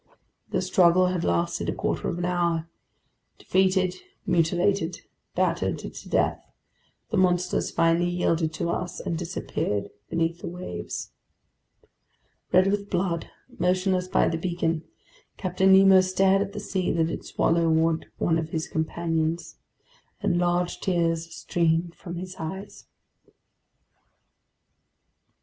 This struggle had lasted a quarter of an hour. Defeated, mutilated, battered to death, the monsters finally yielded to us and disappeared beneath the waves. Red with blood, motionless by the beacon, Captain Nemo stared at the sea that had swallowed one of his companions, and large tears streamed from his eyes.